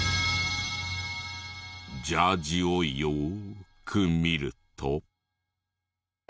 ジャージをよーく見ると。